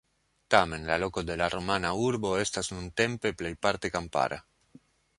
Tamen, la loko de la romana urbo estas nuntempe plejparte kampara.